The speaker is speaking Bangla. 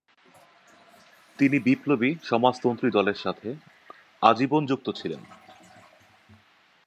তিনি বিপ্লবী সমাজতন্ত্রী দলের সাথে আজীবন যুক্ত ছিলেন।